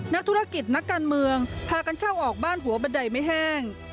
นักธุรกิจนักการเมืองพากันเข้าออกบ้านหัวบันไดไม่แห้ง